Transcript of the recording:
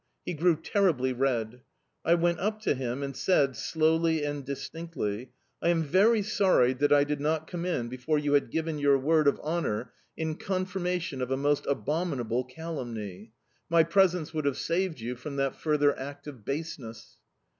He grew terribly red. I went up to him and said, slowly and distinctly: "I am very sorry that I did not come in before you had given your word of honour in confirmation of a most abominable calumny: my presence would have saved you from that further act of baseness."